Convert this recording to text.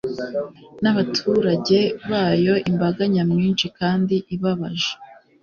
n'abaturage bayo imbaga nyamwinshi kandi ibabaje